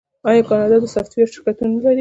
آیا کاناډا د سافټویر شرکتونه نلري؟